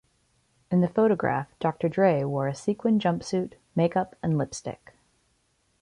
In the photograph Doctor Dre wore a sequined jumpsuit, makeup, and lipstick.